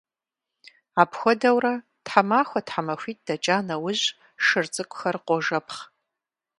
Апхуэдэурэ, тхьэмахуэ-тхьэмахуитӀ дэкӀа нэужь, шыр цӀыкӀухэр къожэпхъ.